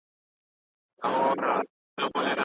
د ټولنې هر غړی خپل مسووليت لري.